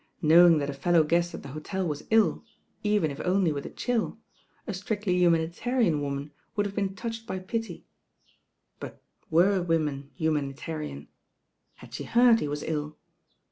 Knowing that a fcUow guest at the hotel was Ul, even if only with a chill, a stoctly humanitarian woman would have been toudied by pity; but were women humanitarian? Had she heard he was ill?